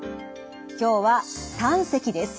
今日は胆石です。